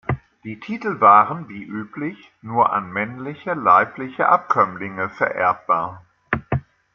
Die Titel waren, wie üblich, nur an männliche leibliche Abkömmlinge vererbbar.